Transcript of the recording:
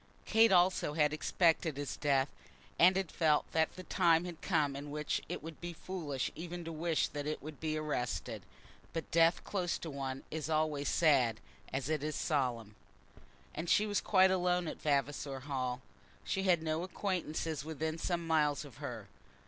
Kate also had expected his death, and had felt that the time had come in which it would be foolish even to wish that it should be arrested. But death close to one is always sad as it is solemn. And she was quite alone at Vavasor Hall. She had no acquaintance within some miles of her.